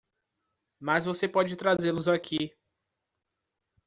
Mas você pode trazê-los aqui!